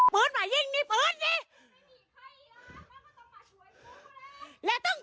เปิดมายิ่งนี่เปิดดิ